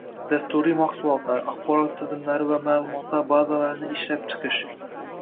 dasturiy mahsulotlar, axborot tizimlari va ma'lumotlar bazalarini ishlab chiqish